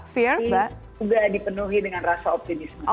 tapi juga dipenuhi dengan rasa optimisme